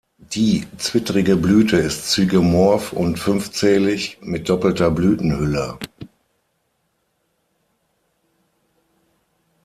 Die zwittrige Blüte ist zygomorph und fünfzählig mit doppelter Blütenhülle.